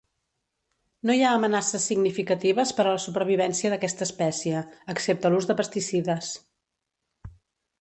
No hi ha amenaces significatives per a la supervivència d'aquesta espècie, excepte l'ús de pesticides.